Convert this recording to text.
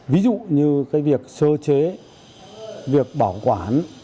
ví dụ như việc sơ chế việc bảo quả